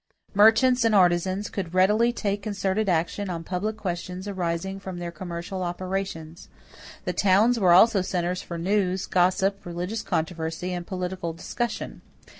Merchants and artisans could readily take concerted action on public questions arising from their commercial operations. The towns were also centers for news, gossip, religious controversy, and political discussion.